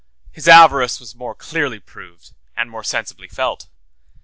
His avarice was more clearly proved and more sensibly felt.